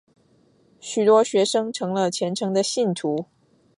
许多学生成了虔诚的信徒。